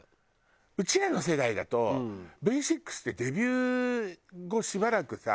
うちらの世代だとＶ６ってデビュー後しばらくさ。